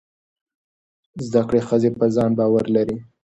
زده کړې ښځې پر ځان باور لري.